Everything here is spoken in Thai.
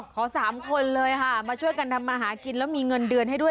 สามคนเลยค่ะมาช่วยกันทำมาหากินแล้วมีเงินเดือนให้ด้วย